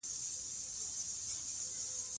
ښارونه د افغانستان د اقتصاد یوه برخه ده.